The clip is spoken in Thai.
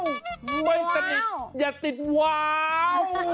ไม่ได้ติดว้าว